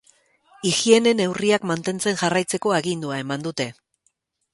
Higiene neurriak mantentzen jarraitzeko agindua eman dute.